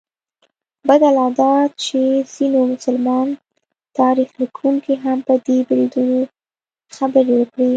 بده لا دا چې ځینو مسلمان تاریخ لیکونکو هم په دې بریدونو خبرې وکړې.